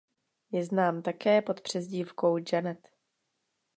Je znám také pod přezdívkou "Janet".